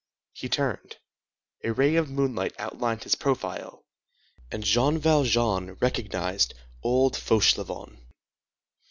He turned. A ray of moonlight outlined his profile, and Jean Valjean recognized old Fauchelevent.